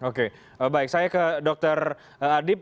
oke baik saya ke dr adib